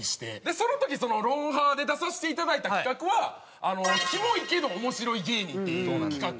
その時『ロンハー』で出させていただいた企画はキモイけど面白い芸人っていう企画で。